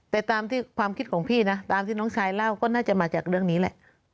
แต่ตามที่ความคิดของพี่นะตามที่น้องชายเล่าก็น่าจะมาจากเรื่องนี้แหละ